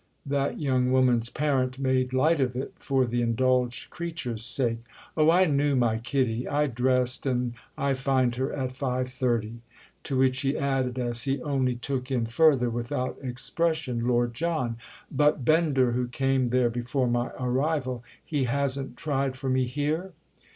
That young woman's parent made light of it for the indulged creature's sake. "Oh I knew my Kitty! I dressed and I find her at five thirty." To which he added as he only took in further, without expression, Lord John: "But Bender, who came there before my arrival—he hasn't tried for me here?"